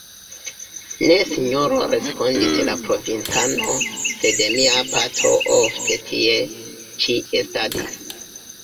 Ne, Sinjoro, respondis la provincano, sed mia patro ofte tie ĉi estadis.